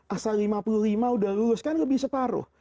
asal lima puluh lima udah lulus kan lebih separuh